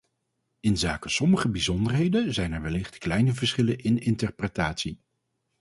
Inzake sommige bijzonderheden zijn er wellicht kleine verschillen in interpretatie.